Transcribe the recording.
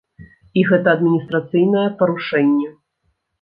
І гэта адміністрацыйнае парушэнне.